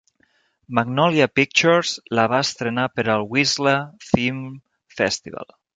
Magnolia Pictures la va estrenar per al Whistler Film Festival.